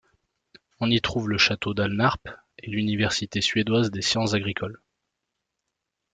On y trouve le château d'Alnarp et l'université suédoise des sciences agricoles.